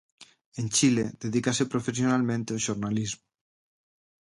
En Chile dedícase profesionalmente ao xornalismo.